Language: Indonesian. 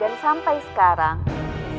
dan sampai sekarang